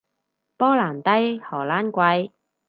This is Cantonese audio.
波蘭低，荷蘭貴